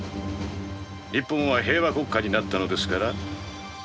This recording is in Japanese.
日本は平和国家になったのですから。